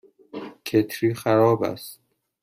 کتری خراب است.